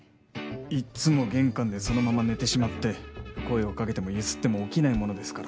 いっつも玄関でそのまま寝てしまって声をかけても揺すっても起きないものですから。